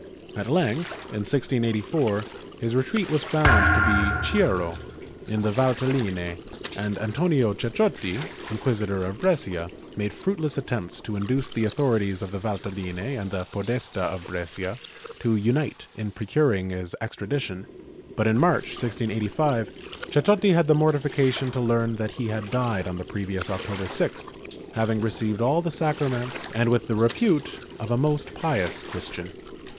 At length, in 1684, his retreat was found to be Chiuro, in the Valtelline, and Antonio Ceccotti, Inquisitor of Brescia, made fruitless attempts to induce the authori ties of the Valtelline and the Podesta of Brescia to unite in procur ing his extradition, but in March, 1685, Ceccotti had the mortifi cation to learn that he had died on the previous October 6th, having received all the sacraments and with the repute of a most pious Christian.